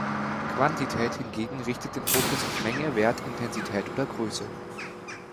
Quantität hingegen richtet den Fokus auf Menge, Wert, Intensität oder Größe.